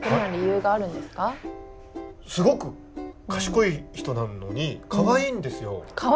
すごく賢い人なのにかわいいんですよ。